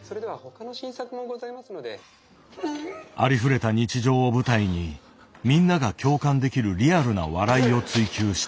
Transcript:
ありふれた日常を舞台にみんなが共感できるリアルな笑いを追求した。